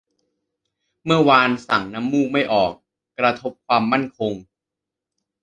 เมื่อวานสั่งน้ำมูกไม่ออก กระทบความมั่นคง